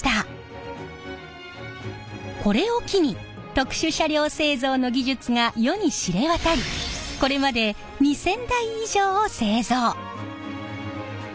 これを機に特殊車両製造の技術が世に知れ渡りこれまで２，０００台以上を製造！